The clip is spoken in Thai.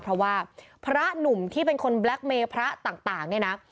เพราะว่าพระหนุ่มที่เป็นคนแล็คเมย์พระต่างเนี่ยนะ